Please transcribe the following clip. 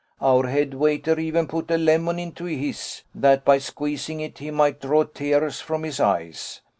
Our head waiter even put a lemon into his, that by squeezing it he might draw tears from his eyes.